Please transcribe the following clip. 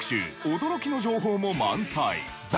驚きの情報も満載。